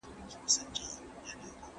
دا نه په توره نه په زور وځي له دغه ښاره